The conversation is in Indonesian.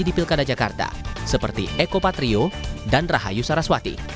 di pilkada jakarta seperti eko patrio dan rahayu saraswati